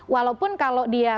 walaupun kalau dia